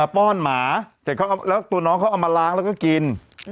ป้อนหมาเสร็จแล้วตัวน้องเขาเอามาล้างแล้วก็กิน